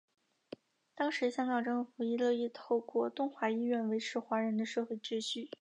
当时香港政府亦乐意透过东华医院维持华人的社会秩序。